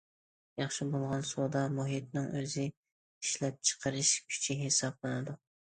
ياخشى بولغان سودا مۇھىتىنىڭ ئۆزى ئىشلەپچىقىرىش كۈچى ھېسابلىنىدۇ.